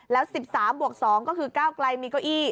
แล้ว๑๓บวก๒ก็คือก้าวไกลมีเก้าอี้